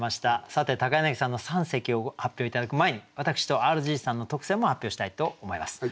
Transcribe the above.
さて柳さんの三席を発表頂く前に私とＲＧさんの特選も発表したいと思います。